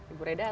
ibu reda atau